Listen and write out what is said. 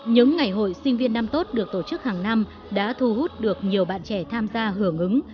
những ngày hội sinh viên năm tốt được tổ chức hàng năm đã thu hút được nhiều bạn trẻ tham gia hưởng ứng